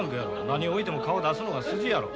何をおいても顔出すのが筋やろ。